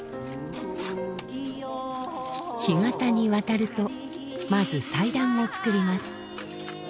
干潟に渡るとまず祭壇を作ります。